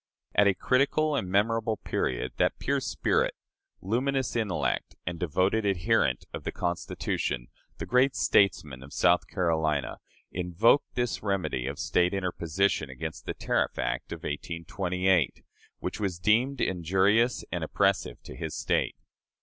At a critical and memorable period, that pure spirit, luminous intellect, and devoted adherent of the Constitution, the great statesman of South Carolina, invoked this remedy of State interposition against the Tariff Act of 1828, which was deemed injurious and oppressive to his State.